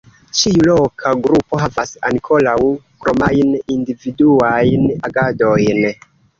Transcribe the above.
Ĉiu loka grupo havas ankoraŭ kromajn individuajn agadojn.